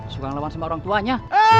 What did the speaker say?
suka ngelawan sama orang tuanya